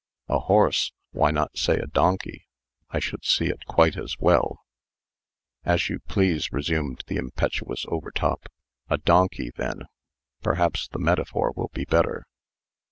"A horse! Why not say a donkey? I should see it quite as well." "As you please," resumed the impetuous Overtop. "A donkey, then. Perhaps the metaphor will be better.